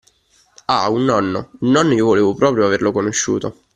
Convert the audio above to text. Ah, un nonno, un nonno io volevo proprio averlo conosciuto